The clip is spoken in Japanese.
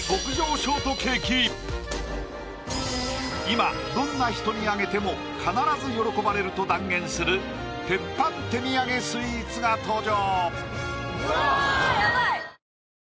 今どんな人にあげても必ず喜ばれると断言する鉄板手土産スイーツが登場！